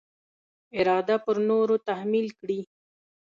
اراده پر نورو تحمیل کړي.